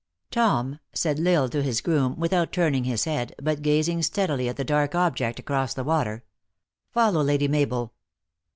# "Tom," said L Isle to his groom," without turning his head, but gazing steadily at the dark object across the water, " Follow Lady Mabel."